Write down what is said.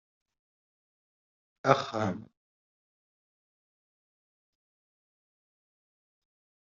Yiwen ur yessin Yuba am nekk.